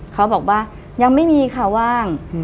เขาบอกว่ายังไม่มีค่ะว่าง